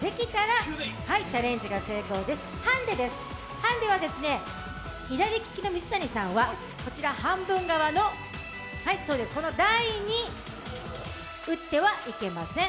ハンデは左利きの水谷さんはこちら半分側の、この台に打ってはいけません。